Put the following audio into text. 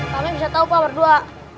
kami bisa tahu pak berdua